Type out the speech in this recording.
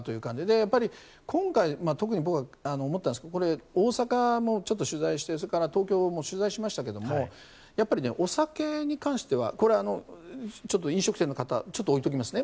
やっぱり今回特に僕は思ったんですがこれ、大阪もちょっと取材して東京も取材しましたけどもお酒に関してはこれはちょっと飲食店の方置いておきますね。